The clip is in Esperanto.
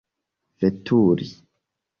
veturi